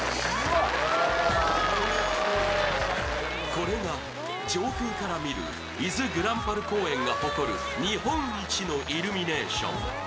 これが上空から見る伊豆ぐらんぱる公園が誇る日本一のイルミネーション。